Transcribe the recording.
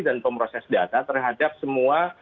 dan pemroses data terhadap semua